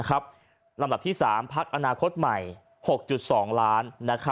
ลำดับที่๓พักอนาคตใหม่๖๒ล้าน